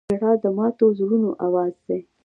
• ژړا د ماتو زړونو آواز دی.